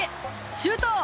シュート！